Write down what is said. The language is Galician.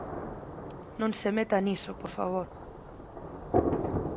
Non se meta niso, por favor.